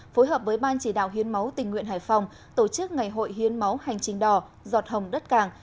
phối hợp với ban chỉ đạo hiến máu tình nguyện hải phòng tổ chức ngày hội hiến máu hành trình đỏ giọt hồng đất cảng